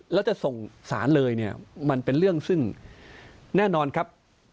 แล้วจะส่งสารเลยเนี่ยมันเป็นเรื่องซึ่งแน่นอนครับ